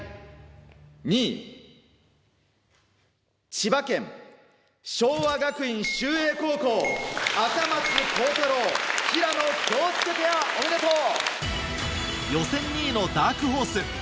千葉県・昭和学院秀英高校赤松虹太郎・平野恭祐ペアおめでとう！